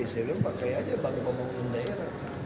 sebenarnya pakai aja bagi pembangunan daerah